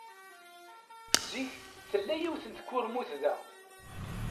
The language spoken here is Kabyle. Zik, tella yiwet n tkurmut da.